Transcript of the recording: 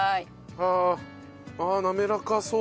あああっ滑らかそう。